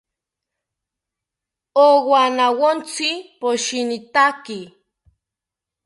Owanawontzi poshinitaki